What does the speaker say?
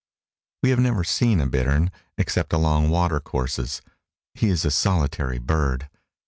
We have never seen a bittern except along water courses. He is a solitary bird.